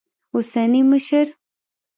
اوسني مشر